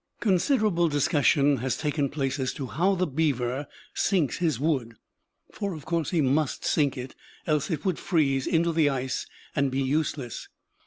Considerable discussion has taken place as to how the beaver sinks his wood for of course he must sink it, else it would freeze into the ice and be useless.